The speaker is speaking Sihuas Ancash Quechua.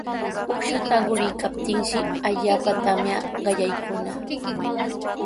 Uqshata quriykaptinshi allaapa tamya qallaykunaq.